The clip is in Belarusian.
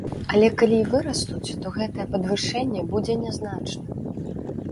Але калі і вырастуць, то гэтае падвышэнне будзе нязначным.